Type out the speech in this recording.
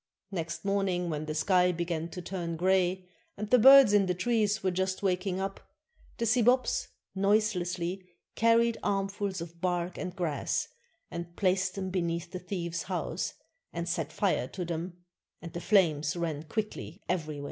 Next morning, when the sky began to turn gray and the birds in the trees were just waking up, the Sibops noiselessly carried armfuls of bark and grass, and placed them beneath the thieves' house, and set fire to them, and the flames ran quickly everywhere.